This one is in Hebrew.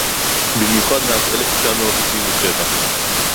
במיוחד מאז אלף תשע מאות תשעים ושבע